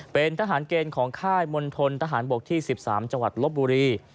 เป็นทหารเกณฑ์ของค่ายมณฑลทหารบกที่๑๓จังหวัดลบบุรี